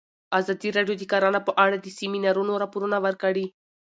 ازادي راډیو د کرهنه په اړه د سیمینارونو راپورونه ورکړي.